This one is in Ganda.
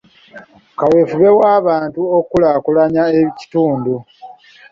Kaweefube w'abantu okukulaakulanya ekitundu.